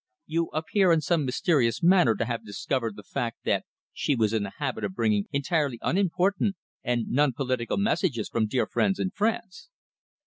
You appear in some mysterious manner to have discovered the fact that she was in the habit of bringing entirely unimportant and non political messages from dear friends in France."